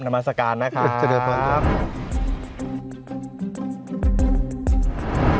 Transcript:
นามัสการนะครับสวัสดีครับสวัสดีครับ